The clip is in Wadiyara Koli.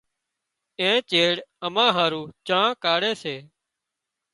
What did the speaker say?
اين چيڙ اَمان هارو چانه ڪاڙهي سي۔